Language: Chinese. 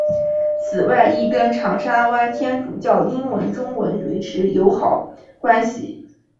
此外亦跟长沙湾天主教英文中学维持友好关系。